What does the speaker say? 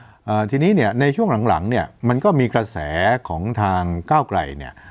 อ่าทีนี้เนี่ยในช่วงหลังหลังเนี้ยมันก็มีกระแสของทางก้าวไกลเนี่ย